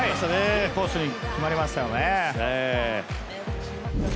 インコースに決まりましたよね。